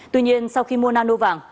tuy nhiên sau khi mua nano vàng